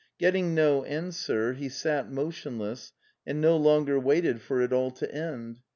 Get ting no answer, he sat motionless, and no longer waited for it all to end.